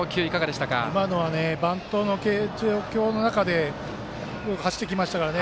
今のはバントの状況の中でよく走ってきましたからね。